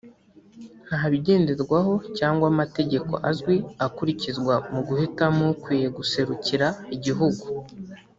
nta bigenderwaho cyangwa amategeko azwi akurikizwa mu guhitamo ukwiye guserukira igihugu